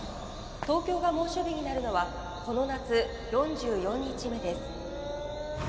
東京が猛暑日になるのはこの夏４４日目です」。